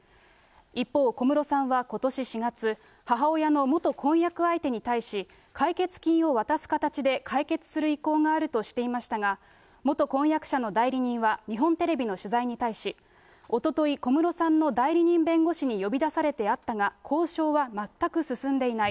一方、小室さんはことし４月、母親の元婚約相手に対し、解決金を渡す形で解決する意向があるとしていましたが、元婚約者の代理人は、日本テレビの取材に対し、おととい、小室さんの代理人弁護士に呼び出されて会ったが、交渉は全く進んでいない。